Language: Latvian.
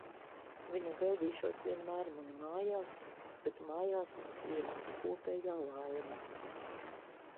Viņa gaidīšot vienmēr mani mājās, bet mājās mūs vienotu kopējā laime.